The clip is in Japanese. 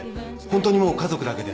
ホントにもう家族だけで。